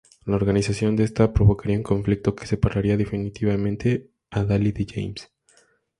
La organización de esta provocaría un conflicto que separaría definitivamente a Dalí de James.